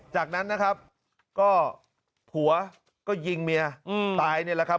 จากนั้นนะครับก็ผัวก็ยิงเมียตายนี่แหละครับ